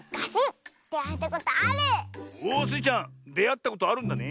おっスイちゃんであったことあるんだね。